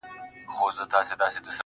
د ژوند په غاړه کي لوېدلی يو مات لاس يمه,